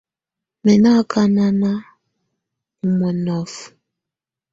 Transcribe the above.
Mɛ nɔ akana ɔ mɔnɔfɔ.